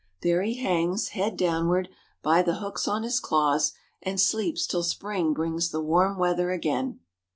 There he hangs, head downward, by the hooks on his claws, and sleeps till spring brings the warm weather again.